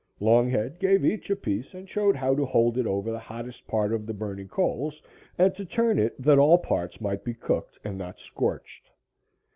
Longhead gave each a piece and showed how to hold it over the hottest part of the burning coals, and to turn it that all parts might be cooked and not scorched.